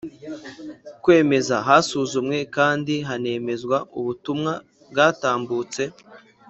kwemeza Hasuzumwe kandi hanemezwa ubutumwa bwatambutse